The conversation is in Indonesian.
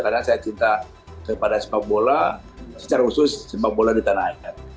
karena saya cinta kepada sepak bola secara khusus sepak bola di tanah air